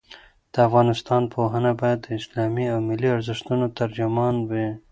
د افغانستان پوهنه باید د اسلامي او ملي ارزښتونو ترجمانه وي.